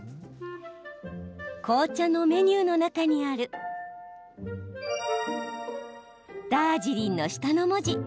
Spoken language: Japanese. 紅茶のメニューの中にあるダージリンの下の文字